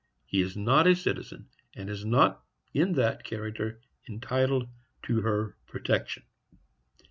He is not a citizen, and is not in that character entitled to her protection."